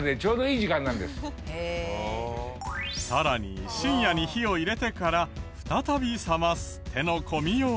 さらに深夜に火を入れてから再び冷ます手の込みよう。